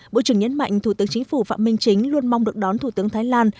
bộ trưởng nhấn mạnh thủ tướng chính phủ phạm minh chính luôn mong được đón thủ tướng thái lan